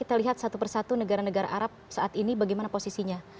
kita lihat satu persatu negara negara arab saat ini bagaimana posisinya